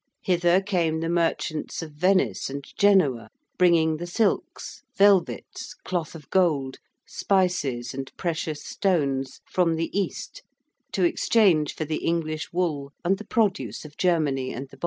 Hither came the merchants of Venice and Genoa, bringing the silks, velvets, cloth of gold, spices and precious stones from the East to exchange for the English wool and the produce of Germany and the Baltic.